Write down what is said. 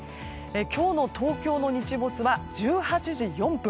今日の東京の日没は１８時４分。